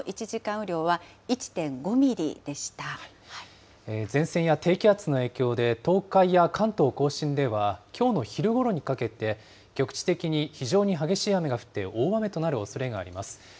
雨量は、１．５ミリで前線や低気圧の影響で、東海や関東甲信では、きょうの昼ごろにかけて、局地的に非常に激しい雨が降って、大雨となるおそれがあります。